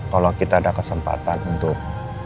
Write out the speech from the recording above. kalau kita ada kesempatan untuk